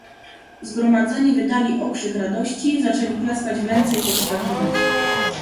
"Zgromadzeni wydali okrzyk radości, zaczęli klaskać w ręce i podskakiwać."